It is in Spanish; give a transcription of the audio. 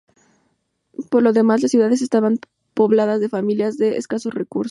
Por lo demás, la ciudad estaba poblada de familias de escasos recursos.